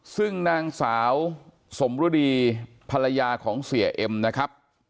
ซึ่งนางสาวสมรุดีภรรยาของเสียเอ็มนะครับ